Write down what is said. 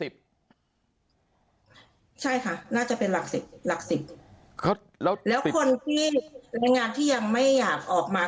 ใช่ค่ะน่าจะเป็นหลัก๑๐แล้วคนที่หลังงานที่ยังไม่อยากออกมา